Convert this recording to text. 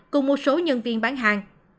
cùng một số nhân viên bán hàng